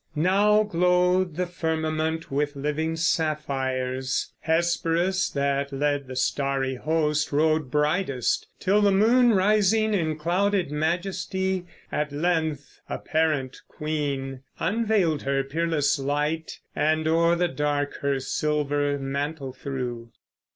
Now glowed the firmament With living sapphires; Hesperus, that led The starry host, rode brightest, till the Moon, Rising in clouded majesty, at length Apparent queen, unveiled her peerless light, And o'er the dark her silver mantle threw.